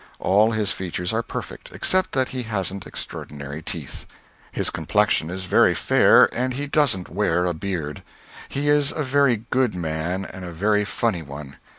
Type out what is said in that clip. All his features are perfect, except that he hasn't extrodinary teeth. His complexion is very fair, and he doesn't ware a beard. He is a very good man and a very funny one.